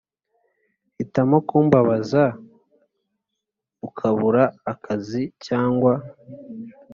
“hitamo kumbabaza ukabura akazi cyagwa